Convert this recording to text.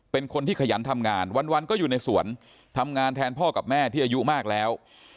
เป็นคนที่ขยันทำงานวันก็อยู่ในสวนทำงานแทนพ่อกับแม่ที่อายุมากแล้ว